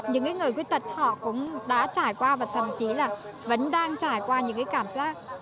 những người khuyết tật họ cũng đã trải qua và thậm chí là vẫn đang trải qua những cái cảm giác